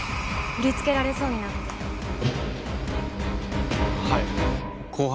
売りつけられそうになって・